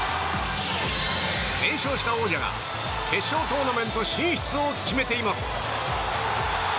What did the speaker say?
連勝した王者が決勝トーナメント進出を決めています。